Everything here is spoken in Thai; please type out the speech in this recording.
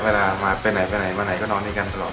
เวลามาไปไหนไปไหนมาไหนก็นอนด้วยกันตลอด